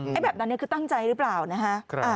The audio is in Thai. แบบนั้นคือตั้งใจหรือเปล่านะฮะ